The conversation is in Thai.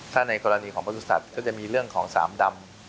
ถ้าในกรณีของประสุทธิ์สัตว์ก็จะมีเรื่องของสามดำ